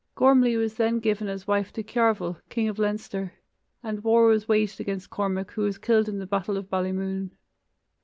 Gormlai was then given as wife to Cearbhail, king of Leinster, and war was waged against Cormac who was killed in the battle of Ballymoon.